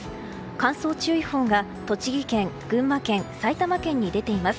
乾燥注意報が栃木県、群馬県埼玉県に出ています。